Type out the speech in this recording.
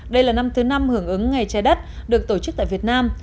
đây là năm thứ năm hưởng ứng ngày trái đất được tổ chức tại việt nam